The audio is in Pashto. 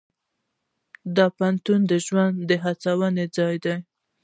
د پوهنتون ژوند د هڅونې ځای دی.